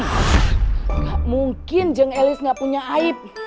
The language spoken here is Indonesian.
gak mungkin jeng elis gak punya aib